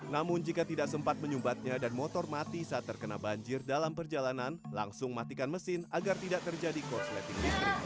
namun jika tidak sempat menyumbatnya dan motor mati saat terkena banjir dalam perjalanan langsung matikan mesin agar tidak terjadi korsleting listrik